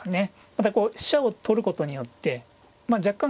またこう飛車を取ることによって若干